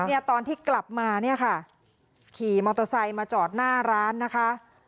เนี่ยตอนที่กลับมาเนี่ยค่ะขี่มอเตอร์ไซค์มาจอดหน้าร้านนะคะ